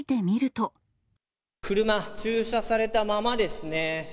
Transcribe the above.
車、駐車されたままですね。